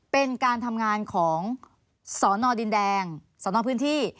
เป็นการทำงานของสนดินแดงสนพื้นที่